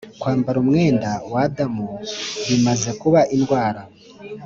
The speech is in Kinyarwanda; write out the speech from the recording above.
kwambara umwenda wa adamu bimaze kuba indwara